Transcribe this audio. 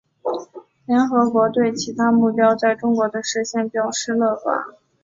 联合国对其他目标在中国的实现表示乐观。